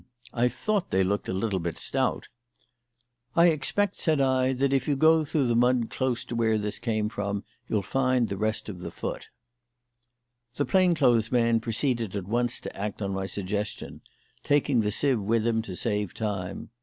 "H'm. I thought they looked a bit stout." "I expect," said I, "that if you go through the mud close to where this came from you'll find the rest of the foot." The plain clothes man proceeded at once to act on my suggestion, taking the sieve with him to save time.